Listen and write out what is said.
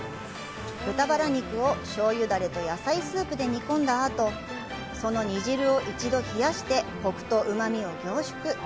豚バラ肉を醤油ダレと野菜スープで煮込んだあとその煮汁を一度冷やしてコクとうまみを凝縮。